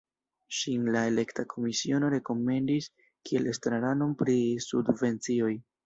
Ŝin la elekta komisiono rekomendis kiel estraranon pri subvencioj.